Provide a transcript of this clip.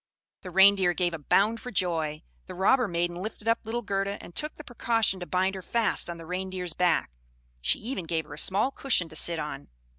The Reindeer gave a bound for joy. The robber maiden lifted up little Gerda, and took the precaution to bind her fast on the Reindeer's back; she even gave her a small cushion to sit on.